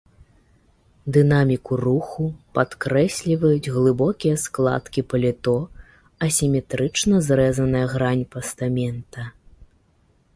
Дынаміку руху падкрэсліваюць глыбокія складкі паліто, асіметрычна зрэзаная грань пастамента.